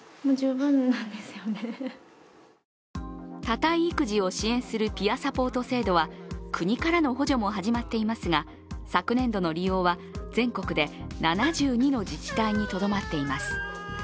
多胎育児を支援するピアサポート制度は国からの補助も始まっていますが昨年度の利用は全国で７２の自治体にとどまっています。